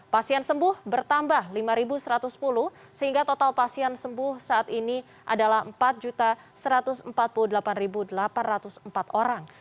pasien sembuh bertambah lima satu ratus sepuluh sehingga total pasien sembuh saat ini adalah empat satu ratus empat puluh delapan delapan ratus empat orang